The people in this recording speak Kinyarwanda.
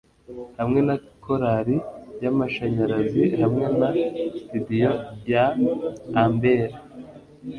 hamwe na korali yamashanyarazi hamwe na sitidiyo ya amber